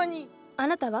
あなたは？